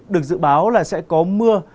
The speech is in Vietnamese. được dự báo là sẽ có mưa